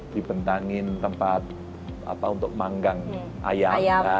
dibentangin tempat untuk manggang ayam